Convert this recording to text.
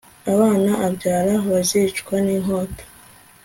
abana abyara bazicwa n'inkota